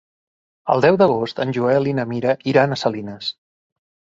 El deu d'agost en Joel i na Mira iran a Salines.